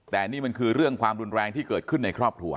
แต่นี่มันคือเรื่องความรุนแรงที่เกิดขึ้นในครอบครัว